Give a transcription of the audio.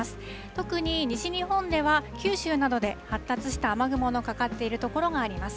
特に西日本では、九州などで発達した雨雲のかかっている所があります。